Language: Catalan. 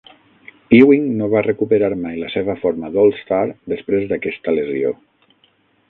Ewing no va recuperar mai la seva forma d'All-Star després d'aquesta lesió.